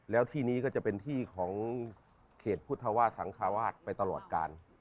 แล้วที่นี้ก็จะเป็นที่ของเขตพุทธวาสสังคาวาสไปตลอดกาล